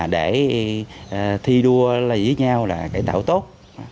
để thi đua với nhau là cái tạo tốt